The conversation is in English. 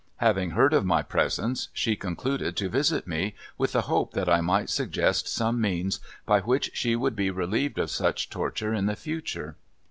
Having heard of my presence, she concluded to visit me, with the hope that I might suggest some means by which she would be relieved of such torture in the future.